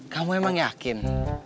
kamu emang yakin